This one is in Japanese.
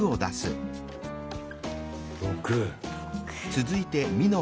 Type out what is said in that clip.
６。